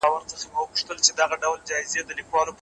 هغه له کلونو راهيسي د بشريت خدمت کوي.